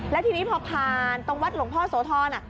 แล้วทีนี้พอผ่านตรงวัดหลวงพ่อโสธร